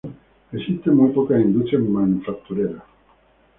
Existen muy pocas industrias manufactureras.